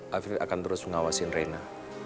hafif akan terus mengawasi raina